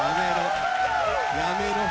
やめろ。